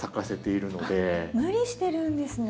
無理してるんですね。